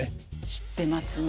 知ってますね。